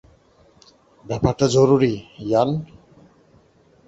ব্যাপারটা জরুরি, ইয়ান।